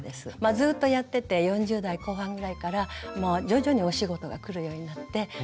ずっとやってて４０代後半ぐらいから徐々にお仕事がくるようになってそれからですね